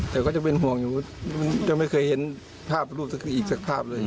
แต่ก็จะเป็นห่วงอยู่จะไม่เคยเห็นภาพรูปอีกสักภาพเลย